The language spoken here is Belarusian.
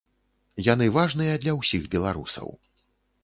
Яны важныя для ўсіх беларусаў.